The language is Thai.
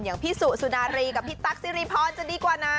อย่างพี่สุสุนารีกับพี่ตั๊กซิริพรจะดีกว่านะ